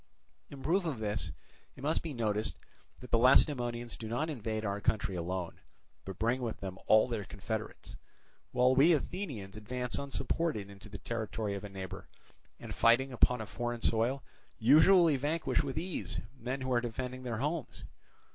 In proof of this it may be noticed that the Lacedaemonians do not invade our country alone, but bring with them all their confederates; while we Athenians advance unsupported into the territory of a neighbour, and fighting upon a foreign soil usually vanquish with ease men who are defending their homes.